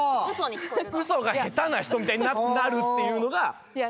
うそが下手な人みたいになるっていうのが。